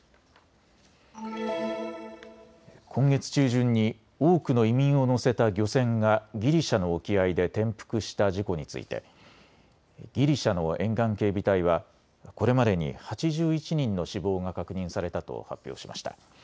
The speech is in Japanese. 今月中旬に多くの移民を乗せた漁船がギリシャの沖合で転覆した事故についてギリシャの沿岸警備隊はこれまでに８１人の死亡が確認されたと発表しました。